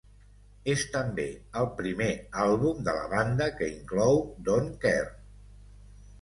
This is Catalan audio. És també el primer àlbum de la banda que inclou Don Kerr.